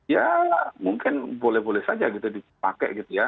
ya mungkin boleh boleh saja gitu dipakai gitu ya